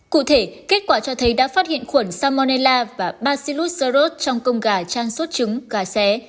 cụ thể kết quả cho thấy đã phát hiện khuẩn salmonella và bacillus seros trong công gà trang sốt trứng gà xé